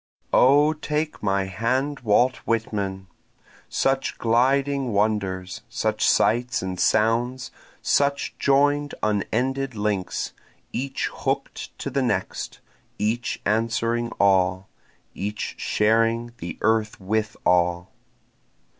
1 O take my hand Walt Whitman! Such gliding wonders! such sights and sounds! Such join'd unended links, each hook'd to the next, Each answering all, each sharing the earth with all.